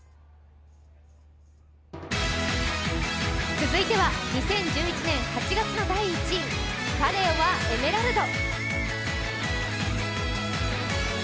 続いては２０１１年８月の第１位「パレオはエメラルド」。